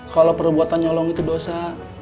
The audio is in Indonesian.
kalau perbuatan nyolong itu dosa